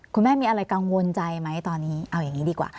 คุณแม่มีอะไรกังวลใจไหมตอนนี้เอาอย่างนี้ดีกว่า